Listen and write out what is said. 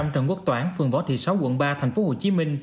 trần quốc toản phường võ thị sáu quận ba tp hcm